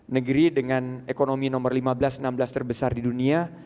negeri dengan ekonomi nomor lima belas enam belas terbesar di dunia